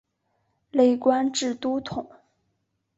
累官至都统。